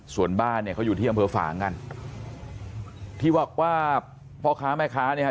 ส่วนบ้านเขาอยู่ที่อำเภอฝ่างั้นที่ว่าพ่อค้าแม่ค้าเนี่ย